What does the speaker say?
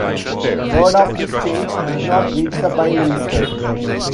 Word of this change did not reach the Prime Minister.